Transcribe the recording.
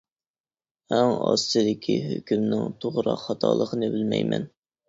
ئەڭ ئاستىدىكى ھۆكۈمنىڭ توغرا خاتالىقىنى بىلمەيمەن.